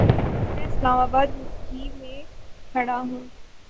میں اسلام آباد ہی میں کھڑا ہوں